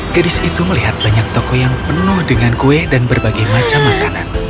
gadis itu melihat banyak toko yang penuh dengan kue dan berbagai macam makanan